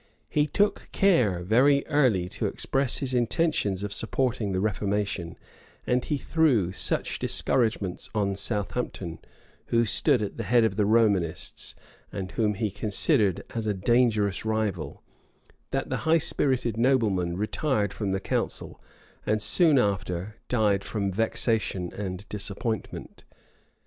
He took care very early to express his intentions of supporting the reformation; and he threw such discouragements on Southampton, who stood at the head of the Romanists, and whom he considered as a dangerous rival, that that high spirited nobleman retired from the council, and soon after died from vexation and disappointment.